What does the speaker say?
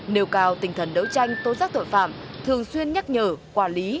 nêu cao tình thần đấu tranh tố giác tội phạm thường xuyên nhắc nhở quả lý